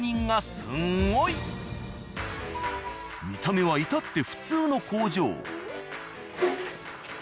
見た目は至って普通の工場。